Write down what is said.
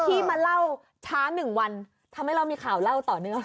ที่มาเล่าช้าหนึ่งวันทำให้เรามีข่าวเล่าต่อเนื่อง